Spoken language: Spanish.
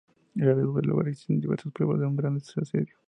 Alrededor del lugar existen diversas pruebas de un gran asedio.